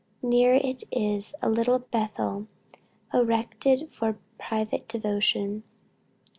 Near it is a little Bethel, erected for private devotion.